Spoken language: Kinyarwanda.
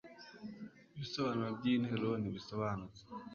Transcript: ibisobanuro by'iyi nteruro ntibisobanutse